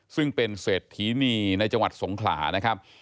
ซึ่งเป็นเศรษฐีนีในจังหวัดสงขลานะครับ